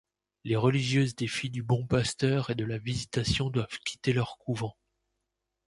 Les religieuses des Filles-du-Bon-Pasteur et de la Visitation doivent quitter leurs couvents.